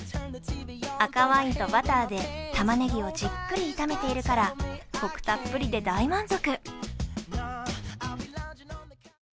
赤ワインとバターでたまねぎをじっくり炒めているからコクたっぷりで大満足。